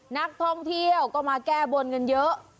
นักท่องเที่ยวก็มาแก้บนกันเยอะ